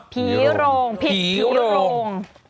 ผีโรงผิดผีโรง